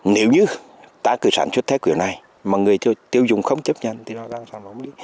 nếu như ta cứ sản xuất thế kiểu này mà người tiêu dùng không chấp nhận thì nó đang sản phẩm đi